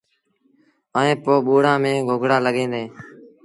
ائيٚݩ پو ٻُوڙآݩ ميݩ گوگڙآ لڳيٚن دآ